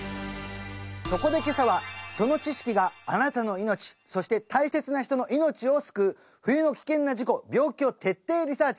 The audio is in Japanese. そこで今朝はその知識があなたの命そして大切な人の命を救う冬の危険な事故・病気を徹底リサーチ